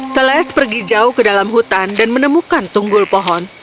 seles pergi jauh ke dalam hutan dan menemukan tunggul pohon